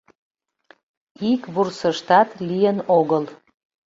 Ик вурсыштат лийын огыл.